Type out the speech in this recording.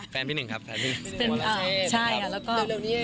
แฟนพี่หนึ่งแฟนพี่หนึ่งครับ